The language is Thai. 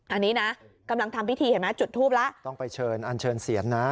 อันนี้นะกำลังทำพิธีเห็นไหมจุดทูปแล้วต้องไปเชิญอันเชิญเสียนนะ